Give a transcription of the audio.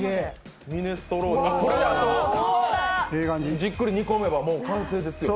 じっくり煮込めばもう完成ですよね。